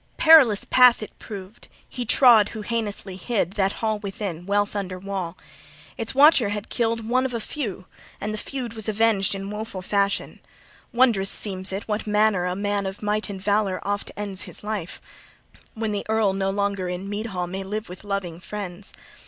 XL A PERILOUS path, it proved, he {40a} trod who heinously hid, that hall within, wealth under wall! Its watcher had killed one of a few, {40b} and the feud was avenged in woful fashion. Wondrous seems it, what manner a man of might and valor oft ends his life, when the earl no longer in mead hall may live with loving friends.